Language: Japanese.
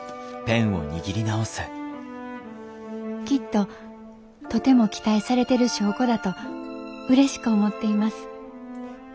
「きっととても期待されてる証拠だとうれしく思っています。